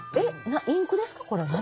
インクですか？